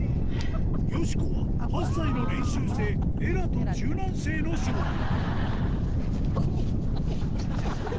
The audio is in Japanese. よしこは８歳の練習生エラと柔軟性の勝負うっうっうっうっ！